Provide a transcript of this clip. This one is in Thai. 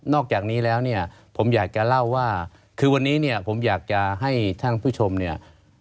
อกจากนี้แล้วเนี่ยผมอยากจะเล่าว่าคือวันนี้เนี่ยผมอยากจะให้ท่านผู้ชมเนี่ย